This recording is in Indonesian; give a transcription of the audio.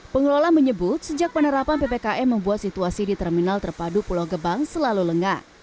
pengelola menyebut sejak penerapan ppkm membuat situasi di terminal terpadu pulau gebang selalu lengah